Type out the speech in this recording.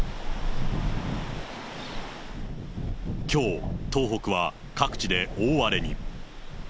きょう、東北は各地で大荒れに。